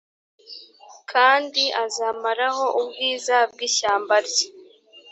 kandi azamaraho ubwiza bw ishyamba rye